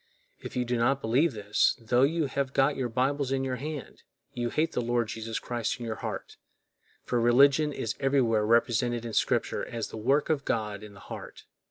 If you do not believe this, tho you have got your Bibles in your hand, you hate the Lord Jesus Christ in your heart; for religion is everywhere represented in Scripture as the work of God in the heart.